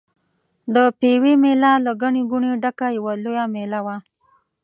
د پېوې مېله له ګڼې ګوڼې ډکه یوه لویه مېله وه.